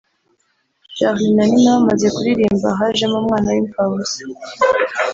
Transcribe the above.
Charly na Nina bamaze kuririmba hajemo umwanya w’imfabusa